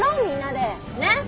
みんなで。ね！